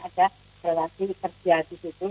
ada lagi kerja di situ